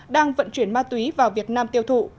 đang vận chuyển ma túy vào việt nam tiêu thụ